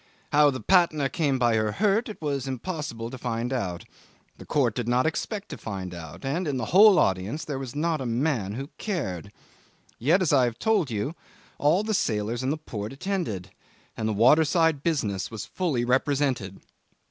How the Patna came by her hurt it was impossible to find out; the court did not expect to find out; and in the whole audience there was not a man who cared. Yet, as I've told you, all the sailors in the port attended, and the waterside business was fully represented.